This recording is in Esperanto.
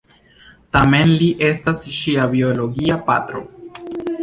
Tamen li ne estas ŝia biologia patro.